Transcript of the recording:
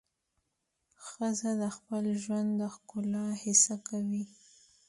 ښځه د خپل ژوند د ښکلا هڅه کوي.